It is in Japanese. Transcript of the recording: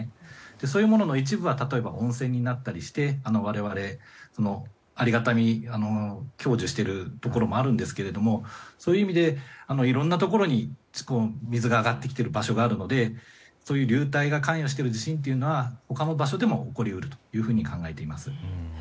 そういうものの一部が温泉になったりしてありがたみを享受しているところもあるんですがそういう意味でいろんなところに水が上がってきている場所があるのでそういう流体が関与している地震というのは他の場所でも起こり得ると考えています。